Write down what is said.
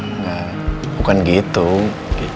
enggak bukan gitu ya